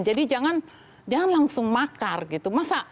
jadi jangan langsung makar gitu